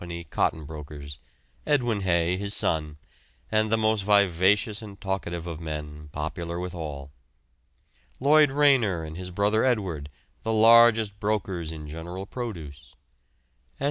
cotton brokers; Edwin Haigh, his son, and the most vivacious and talkative of men, popular with all; Lloyd Rayner and his brother Edward, the largest brokers in general produce; S.